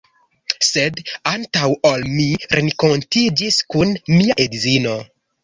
Sed antaŭ ol mi renkontiĝis kun mia edzino